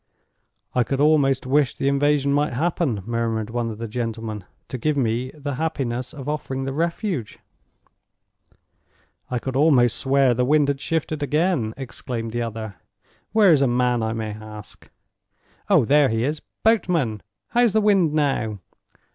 "I could almost wish the invasion might happen," murmured one of the gentlemen, "to give me the happiness of offering the refuge." "I could almost swear the wind had shifted again!" exclaimed the other. "Where is a man I can ask? Oh, there he is. Boatman! How's the wind now?